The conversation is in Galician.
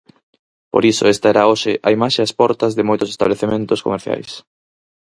Por iso esta era hoxe a imaxe ás portas de moitos establecementos comerciais.